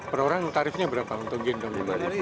per orang tarifnya berapa untuk gendong